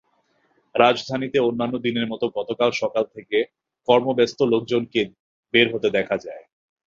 রাজধানীতে অন্যান্য দিনের মতো গতকাল সকাল থেকে কর্মব্যস্ত লোকজনকে বের হতে দেখা যায়।